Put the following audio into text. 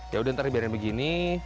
yaudah nanti di biarkan begini